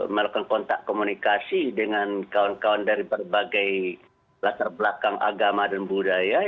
melakukan kontak komunikasi dengan kawan kawan dari berbagai latar belakang agama dan budaya